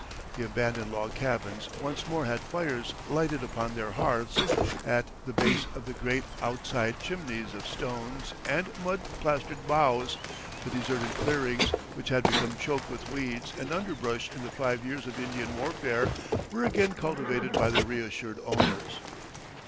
The abandoned log cabins once more had fires lighted upon their hearths, at the base of the great outside chimneys of stones and mud plastered boughs; the deserted clearings, which had become choked with weeds and underbrush in the five years of Indian warfare, were again cultivated by their reassured owners.